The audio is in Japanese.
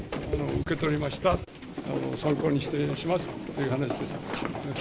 受け取りました、参考にしますという話でした。